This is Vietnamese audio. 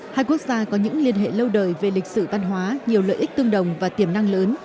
hai quốc gia có những liên hệ lâu đời về lịch sử văn hóa nhiều lợi ích tương đồng và tiềm năng lớn